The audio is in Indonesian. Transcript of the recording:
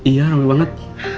iya rame banget